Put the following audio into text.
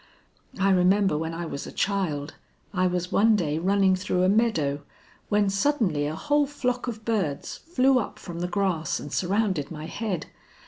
I remember when I was a child, I was one day running through a meadow, when suddenly a whole flock of birds flew up from the grass and surrounded my head.